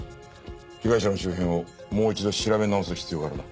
被害者の周辺をもう一度調べ直す必要があるな。